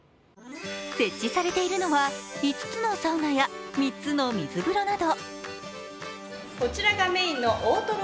設置されているのは５つのサウナや３つの水風呂など。